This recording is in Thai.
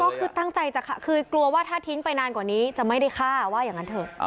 ก็คือตั้งใจจะฆ่าคือกลัวว่าถ้าทิ้งไปนานกว่านี้จะไม่ได้ฆ่าว่าอย่างนั้นเถอะ